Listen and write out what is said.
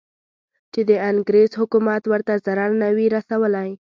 چې د انګریز حکومت ورته ضرر نه وي رسولی.